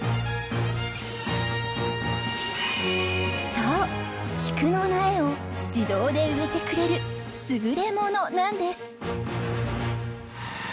そうキクの苗を自動で植えてくれる優れものなんです。